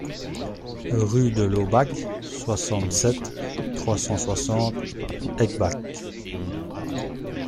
Rue de Laubach, soixante-sept, trois cent soixante Eschbach